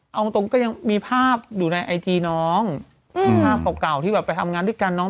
เอาตรงตรงก็ยังมีภาพอยู่ในไอจีน้องมีภาพเก่าเก่าที่แบบไปทำงานด้วยกันน้อง